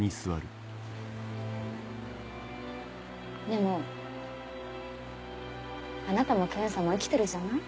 でもあなたも剣さんも生きてるじゃない。